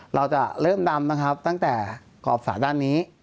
เราจะเริ่มดำนะครับตั้งแต่ขอบสระด้านนี้